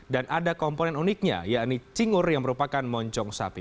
dan ada komponen uniknya yakni cingur yang merupakan moncong sapi